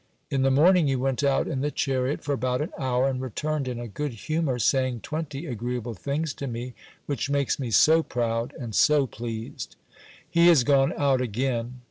In the morning he went out in the chariot for about an hour, and returned in a good humour, saying twenty agreeable things to me, which makes me so proud, and so pleased! He is gone out again.